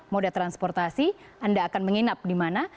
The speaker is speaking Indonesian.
moda transportasi anda akan menginap di mana